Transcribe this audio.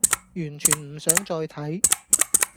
完全唔想再睇